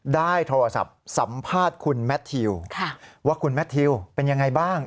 ได้โทรศัพท์สัมภาษณ์คุณแมททิวว่าคุณแมททิวเป็นยังไงบ้าง